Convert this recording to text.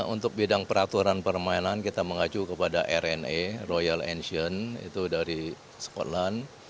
untuk bidang peraturan permainan kita mengacu kepada rna royal antion itu dari scotland